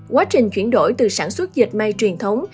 quá trình chuyển đổi từ sản xuất dịch may truyền thống